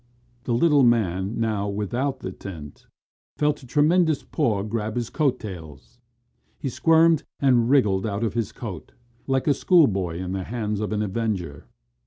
The little man, now without the tent, felt a tremendous paw grab his coat tails. He squirmed and wriggled out of his coat, like a schoolboy in the hands of an avenger.